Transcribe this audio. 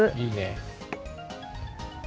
いいね。